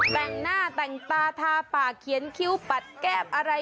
แต่งหน้าแต่งตาทาปากเขียนคิ้วปัดแก้มอะไร